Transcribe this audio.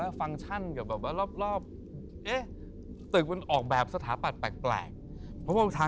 เอานอนพักเอาวะ